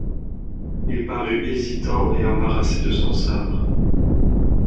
Il parut hésitant et embarrassé de son sabre.